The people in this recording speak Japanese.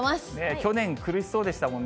去年、苦しそうでしたもんね。